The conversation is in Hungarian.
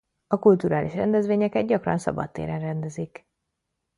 A kulturális rendezvényeket gyakran szabadtéren rendezik.